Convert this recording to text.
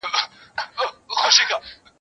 روڼي سترګي کرۍ شپه په شان د غله وي